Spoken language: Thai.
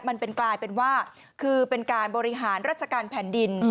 มันเป็นกลายเป็นว่าคือเป็นการบริหารราชการแผ่นดิน